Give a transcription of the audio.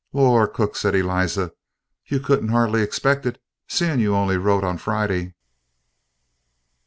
"Lor, cook!" said Eliza, "you couldn't hardly expect it, seeing you only wrote on Friday."